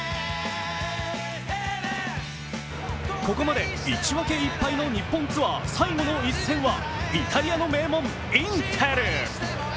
ここまで１分け１敗の日本ツアー最後の一戦はイタリアの名門、インテル。